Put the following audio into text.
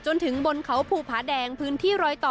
จนถึงบนเขาภูผาแดงพื้นที่รอยต่อ